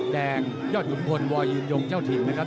แดงยอดขุนพลวอยืนยงเจ้าถิ่นนะครับ